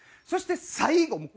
そして最後